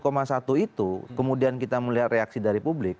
karena dari tujuh satu itu kemudian kita melihat reaksi dari publik